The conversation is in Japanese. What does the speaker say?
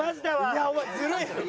いやお前ずるい。